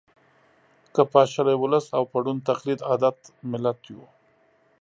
که پاشلی ولس او په ړوند تقلید عادت ملت یو